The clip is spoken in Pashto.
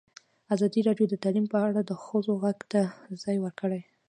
ازادي راډیو د تعلیم په اړه د ښځو غږ ته ځای ورکړی.